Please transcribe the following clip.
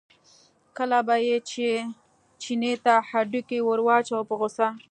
کله به یې چیني ته هډوکی ور واچاوه په غوسه.